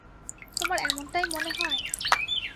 তোমার এমনটাই মনে হয়?